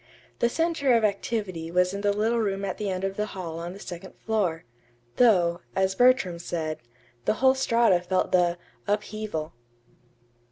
The center of activity was in the little room at the end of the hall on the second floor; though, as Bertram said, the whole Strata felt the "upheaval."